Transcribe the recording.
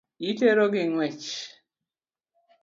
Itero gi ng'wech.